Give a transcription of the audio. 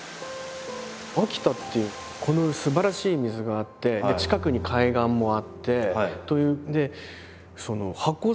秋田ってこのすばらしい水があって近くに海岸もあってという。